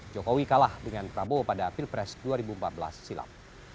jokowi kalah dengan prabowo pada pilpres dua ribu empat belas silam